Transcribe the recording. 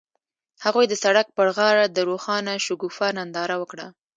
هغوی د سړک پر غاړه د روښانه شګوفه ننداره وکړه.